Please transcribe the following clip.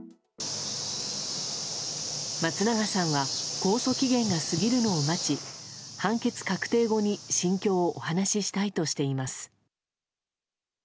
松永さんは控訴期限が過ぎるのを待ち判決確定後に心境をお話ししたいとしています。